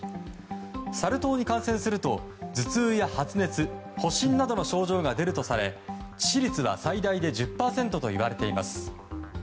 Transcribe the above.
サル痘に感染すると頭痛や発熱、発疹などの症状が出るとされ致死率は最大で１０％と言われています。